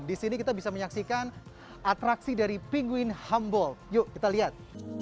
di sini kita bisa menyaksikan atraksi dari pinguin humboll yuk kita lihat